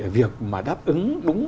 việc mà đáp ứng đúng